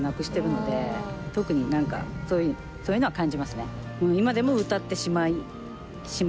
特になんかそういうのは感じますね。